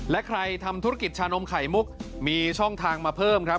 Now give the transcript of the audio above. และใครทำธุรกิจชานมไข่มุกมีช่องทางมาเพิ่มครับ